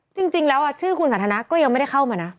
จริงแล้วชื่อคุณสันทนาก็ยังไม่ได้เข้ามานะ